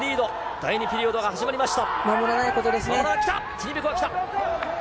第２ピリオドが始まりました。